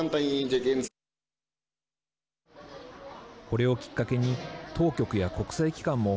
これをきっかけに当局や国際機関も